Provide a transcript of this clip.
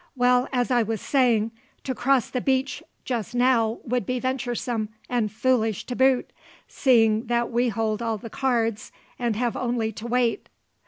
Well, as I was saying, to cross the beach just now would be venturesome and foolish to boot, seeing that we hold all the cards and have only to wait."